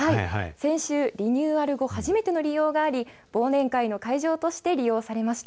先週リニューアル後初めての利用があり忘年会の会場として利用されました。